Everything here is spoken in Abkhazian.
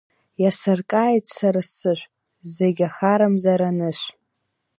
Иасыркааит сара сышә, зегь ахарамзар анышә.